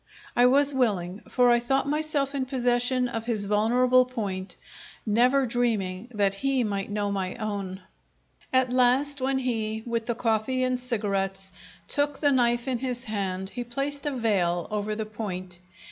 I was willing; for I thought myself in possession of his vulnerable point never dreaming that he might know my own! At last when he, with the coffee and cigarettes, took the knife in his hand, he placed a veil over the point.